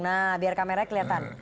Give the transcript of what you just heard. nah biar kameranya kelihatan